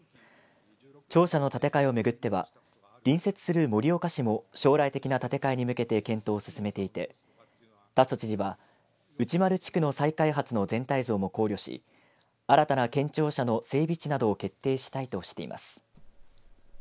庁舎の建て替えをめぐっては隣接する盛岡市も将来的な建て替えに向けて検討を進めていて達増知事は内丸地区の再開発の全体像も考慮し新たな県庁舎の整備地なども決定したいとしています。